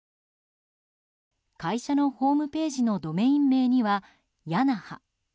会社のホームページのドメイン名にはｙａｎａｈａ。